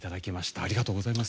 ありがとうございます。